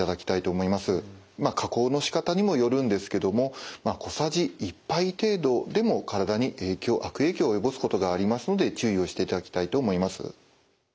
加工のしかたにもよるんですけども小さじ１杯程度でも体に悪影響を及ぼすことがありますので注意をしていただきたいと思います。